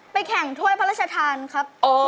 แข่งถ้วยพระราชทานครับ